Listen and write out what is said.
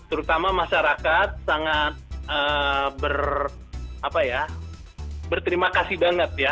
terutama masyarakat sangat berterima kasih banget ya